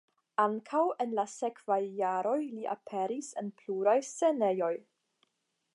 Ankaŭ en la sekvaj jaroj li aperis en pluraj scenejoj.